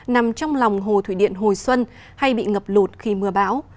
nằm trong lòng hồ thủy điện hồi xuân hay bị ngập lụt khi mưa bão